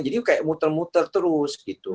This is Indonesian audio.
jadi kayak muter muter terus gitu